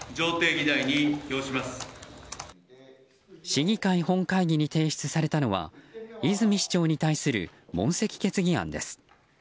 市議会本会議に提出されたのは泉市長に対する問責決議案です。